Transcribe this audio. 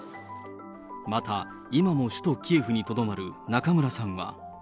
また、今も首都キエフにとどまる中村さんは。